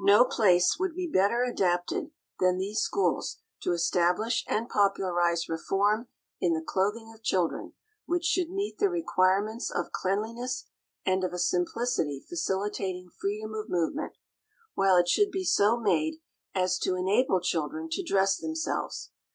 No place would be better adapted than these schools to establish and popularize reform in the clothing of children, which should meet the requirements of cleanliness and of a simplicity facilitating freedom of movement, while it should be so made as to enable children to dress themselves.